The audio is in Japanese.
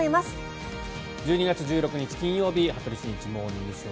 １２月１６日、金曜日「羽鳥慎一モーニングショー」。